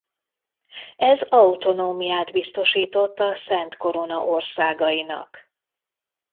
Ez autonómiát biztosított a Szent Korona országainak.